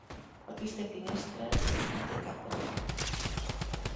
El pis té finestres i no té cap balcó.